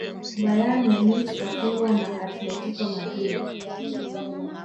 bayern munich kafungwa na atletico madrid